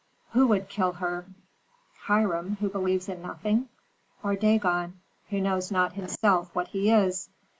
"Who would kill her, Hiram, who believes in nothing, or Dagon, who knows not himself what he is?